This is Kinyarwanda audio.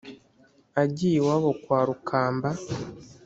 agiye iwabo kwa rukamba